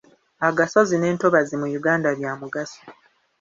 Agasozi n’entobazzi mu Uganda bya mugaso.